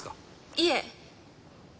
いえ。